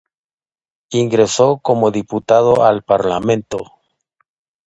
Ingresó como diputado al Parlamento.